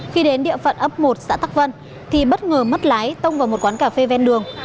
khi đến địa phận ấp một xã tắc vân thì bất ngờ mất lái tông vào một quán cà phê ven đường